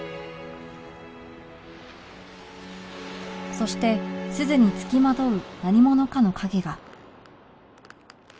そして鈴につきまとう何者かの影が